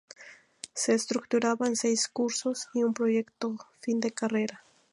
Se estructuraba en seis cursos y un Proyecto Fin de Carrera.